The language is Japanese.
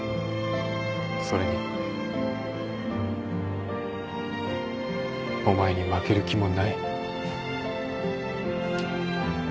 それにお前に負ける気もない。